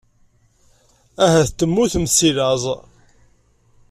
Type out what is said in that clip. Ahat temmutemt seg laẓ.